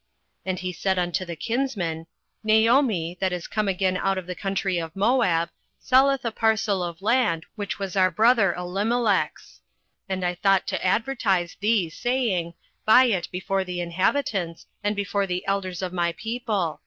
08:004:003 And he said unto the kinsman, Naomi, that is come again out of the country of Moab, selleth a parcel of land, which was our brother Elimelech's: 08:004:004 And I thought to advertise thee, saying, Buy it before the inhabitants, and before the elders of my people.